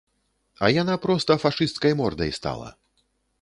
А яна проста фашысцкай мордай стала.